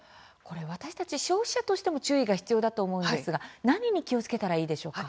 私たち消費者としても注意が必要だと思うんですが何に気をつけたらいいでしょうか。